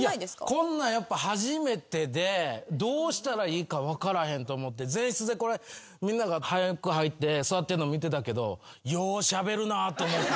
こんなんやっぱ初めてでどうしたらいいか分からへんと思って前室でみんなが早く入って座ってんの見てたけど。